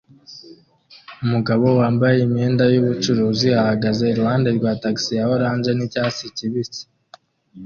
Umugabo wambaye imyenda yubucuruzi ahagaze iruhande rwa tagisi ya orange nicyatsi kibisi